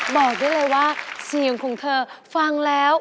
บอกได้เลยว่าเสียงของเธอฟังแล้ว